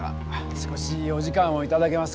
少しお時間をいただけますか？